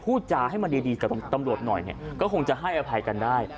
พูดจาให้มันดีกับตำรวจหน่อยเนี่ยก็คงจะให้อภัยกันได้